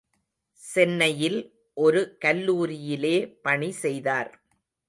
சென்னையில் ஒரு கல்லூரியிலே பணி செய்தார்.